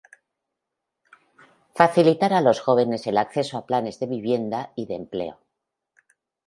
Facilitar a los jóvenes el acceso a planes de vivienda y de empleo.